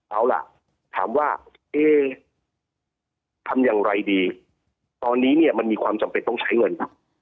เอาล่ะถามว่าเอ๊ทำอย่างไรดีตอนนี้เนี่ยมันมีความจำเป็นต้องใช้เงิน